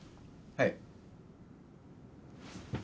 はい。